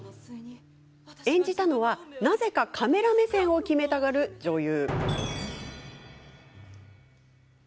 演じたのは、なぜかカメラ目線を決めたがる女優。